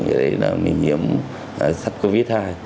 vậy là mình nhiễm sắt covid hai